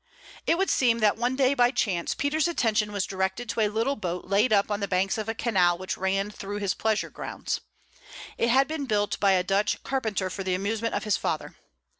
It would seem that one day, by chance, Peter's attention was directed to a little boat laid up on the banks of a canal which ran through his pleasure grounds. It had been built by a Dutch carpenter for the amusement of his father.